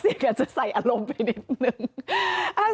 เสียงกันจะใส่อารมณ์ไปนิดนึง